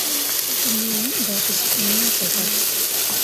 tumia unga kusukumia chapati